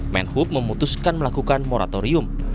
menhub memutuskan melakukan moratorium